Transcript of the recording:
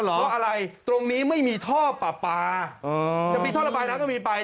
เพราะอะไรตรงนี้ไม่มีท่อปลาปลาก็มีไป